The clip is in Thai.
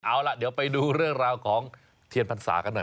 เอาล่ะเดี๋ยวไปดูเรื่องราวของเทียนพรรษากันหน่อย